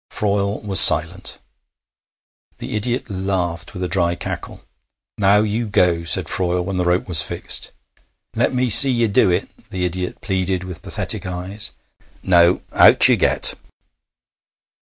Froyle was silent. The idiot laughed with a dry cackle. 'Now you go,' said Froyle, when the rope was fixed. 'Let me see ye do it,' the idiot pleaded with pathetic eyes. 'No; out you get!'